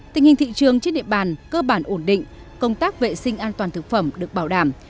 tình hình thị trường trên địa bàn cơ bản ổn định công tác vệ sinh an toàn thực phẩm được bảo đảm